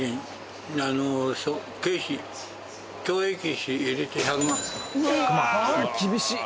経費共益費入れてうわ厳しい。